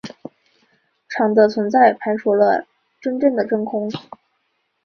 场的存在排除了真正的真空。